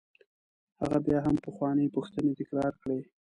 هغه بیا هم پخوانۍ پوښتنې تکرار کړې.